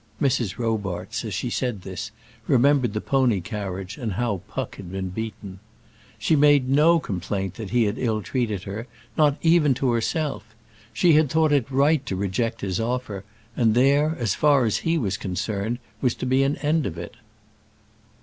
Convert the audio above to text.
Mrs. Robarts, as she said this, remembered the pony carriage and how Puck had been beaten. "She made no complaint that he had ill treated her not even to herself. She had thought it right to reject his offer; and there, as far as he was concerned, was to be an end of it."